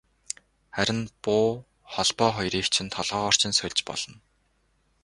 Харин буу холбоо хоёрыг чинь толгойгоор чинь сольж болно.